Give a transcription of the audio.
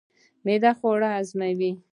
معده خواړه هضموي